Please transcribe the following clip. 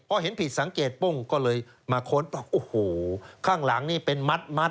พอเห็นผิดสังเกตปุ้งก็เลยมาค้นโอ้โหข้างหลังนี่เป็นมัด